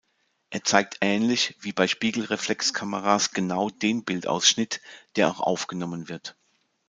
Er zeigt ähnlich wie bei Spiegelreflexkameras genau den Bildausschnitt, der auch aufgenommen wird.